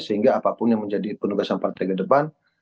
sehingga apapun yang menjadi penugasan partai ke depan